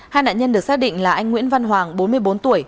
hai nạn nhân được xác định là anh nguyễn văn hoàng bốn mươi bốn tuổi